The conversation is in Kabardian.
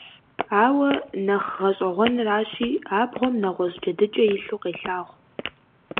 Ауэ, нэхъ гъэщӀэгъуэныращи, абгъуэм нэгъуэщӀ джэдыкӀэ илъу къелъагъу.